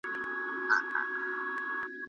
د بدلزنو پېغلو منځ کې د میرو کاکا د لور په زنه